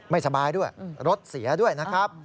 ไม่สบายด้วยรถเสียด้วยนะครับ